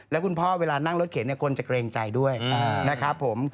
แล้วคุณพ่อเวลานั่งรถเข็นคนจะเกรงใจด้วยนะครับผม